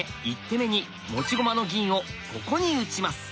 １手目に持ち駒の銀をここに打ちます。